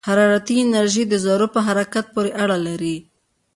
حرارتي انرژي د ذرّو په حرکت پورې اړه لري.